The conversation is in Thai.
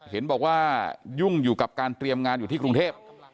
เห็นบอกว่ายุ่งอยู่กับการเตรียมงานอยู่ที่กรุงเทพ